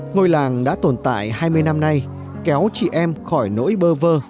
ngôi làng đã tồn tại hai mươi năm nay kéo chị em khỏi nỗi bơ vơ